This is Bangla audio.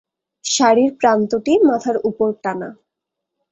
শাড়ির প্রান্তটি মাথার উপর টানা।